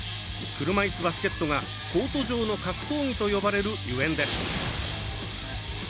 車いすバスケットがコート上の格闘技と呼ばれるゆえんです。